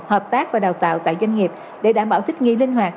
hợp tác và đào tạo tại doanh nghiệp để đảm bảo thích nghi linh hoạt